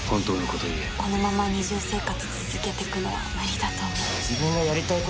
このまま二重生活続けていくのは無理だと思う。